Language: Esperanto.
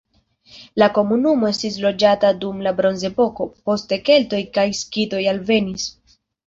La komunumo estis loĝata dum la bronzepoko, poste keltoj kaj skitoj alvenis.